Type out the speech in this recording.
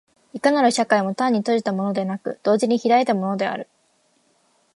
いかなる社会も単に閉じたものでなく、同時に開いたものである。